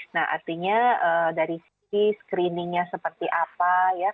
nah artinya dari sini screeningnya seperti apa